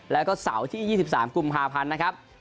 แล้วก็เสาร์ที่๒๓กุมภาพันธ์นะครับ